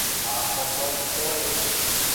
А, па то је.